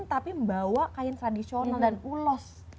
tapi membawa kain tradisional dan ulos